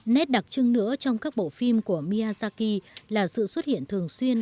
nét đặc trưng nữa trong các bộ phim của miyasaki là sự xuất hiện thường xuyên